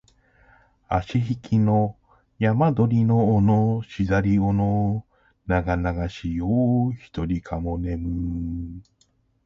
あしひきの山鳥の尾のしだり尾のながながし夜をひとりかも寝む